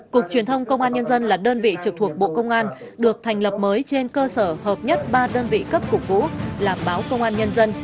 cục truyền thông công an nhân dân là đơn vị trực thuộc bộ công an được thành lập mới trên cơ sở hợp nhất ba đơn vị cấp cục vũ là báo công an nhân dân